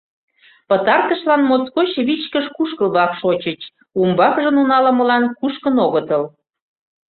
Пытартышлан моткоч вичкыж кушкыл-влак шочыч, умбакыже нуно ала-молан кушкын огытыл.